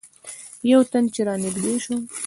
یو تن چې رانږدې شو.